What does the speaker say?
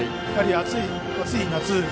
やはり暑い夏